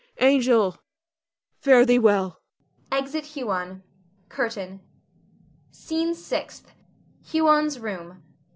Angel, fare thee well! [Exit Huon. CURTAIN. SCENE SIXTH. [Huon's _room.